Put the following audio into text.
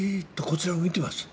こちらを見てます。